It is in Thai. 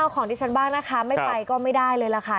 ของดิฉันบ้างนะคะไม่ไปก็ไม่ได้เลยล่ะค่ะ